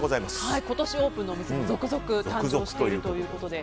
今年オープンのお店も続々誕生しているということで。